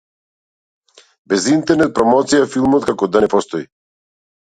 Без интернет промоција филмот како да не постои.